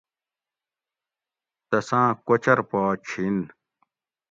تساۤں کوچر پا چھین